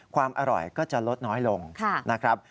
ความอร่อยก็จะลดน้อยลงนะครับ